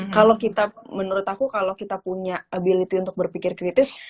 kalau kita menurut aku kalau kita punya ability untuk berpikir kritis